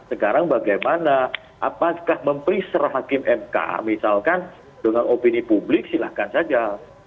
sekarang bagaimana apakah mempreser hakim mk misalkan dengan opini publik silahkan saja